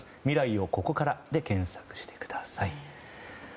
「未来をここから」で検索してください。